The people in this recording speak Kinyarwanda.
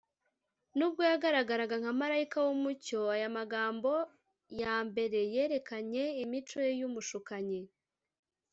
Nubwo yagaragaraga nka marayika w’umucyo, aya magambo ya mbere yerekanye imico ye y’umushukanyi